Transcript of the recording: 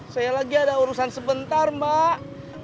saya lagi ada urusan sebentar mbak